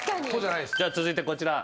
じゃあ続いてこちら。